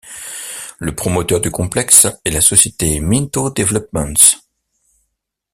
Le promoteur du complexe est la société Minto Developments.